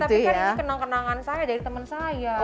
tapi kan ini kenang kenangan saya dari teman saya